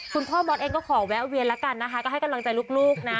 คุณพ่อมดเองก็ขอแวะเวียนแล้วกันนะคะก็ให้กำลังใจลูกนะ